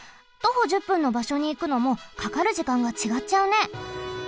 徒歩１０分のばしょにいくのもかかる時間がちがっちゃうね。